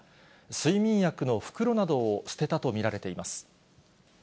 睡眠薬の袋などを捨てたと見られています。